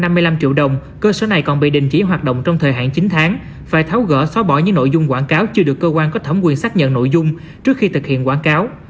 ngoài mức phạt một trăm năm mươi năm triệu đồng cơ sở này còn bị đình chỉ hoạt động trong thời hạn chín tháng phải tháo gỡ xóa bỏ những nội dung quảng cáo chưa được cơ quan có thẩm quyền xác nhận nội dung trước khi thực hiện quảng cáo